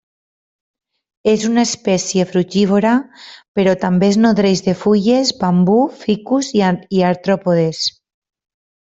És una espècie frugívora, però també es nodreix de fulles, bambú, ficus i artròpodes.